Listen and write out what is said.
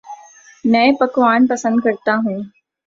نئے پکوان پسند کرتا ہوں